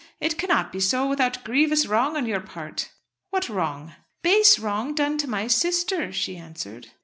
It cannot be so without grievous wrong on your part." "What wrong?" "Base wrong done to my sister," she answered.